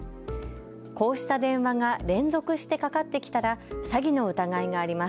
こうした電話が連続してかかってきたら詐欺の疑いがあります。